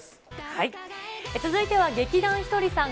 続いては、劇団ひとりさん